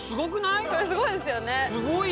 これすごいですよね。